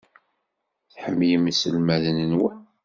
Tḥemmlem iselmaden-nwen?